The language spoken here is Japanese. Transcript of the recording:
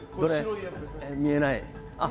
見えない。